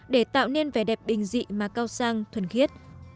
để tạo nên vẻ đẹp bình dị mà cao sang thuần khiết